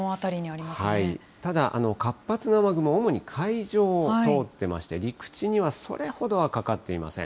ただ、活発な雨雲、主に海上を通っていまして、陸地にはそれほどはかかっていません。